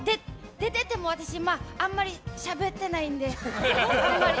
出ててもあんまりしゃべってないんで。